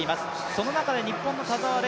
その中で日本の田澤廉